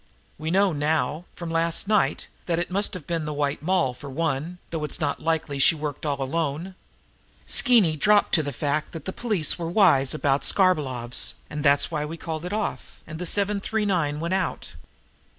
We know now, from last night, that it must have been the White Moll, for one, though it's not likely she worked all alone. Skeeny dropped to the fact that the police were wise about Skarbolov's, and that's why we called it off, and the 'seven three nine' went out.